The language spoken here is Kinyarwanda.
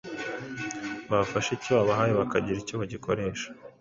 bafashe icyo babahaye bakagira icyo bagikoresha.